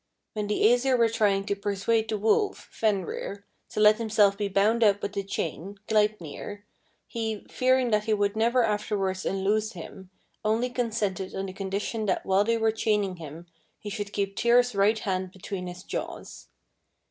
When the Æsir were trying to persuade the wolf, Fenrir, to let himself be bound up with the chain, Gleipnir, he, fearing that they would never afterwards unloose him, only consented on the condition that while they were chaining him he should keep Tyr's right hand between his jaws.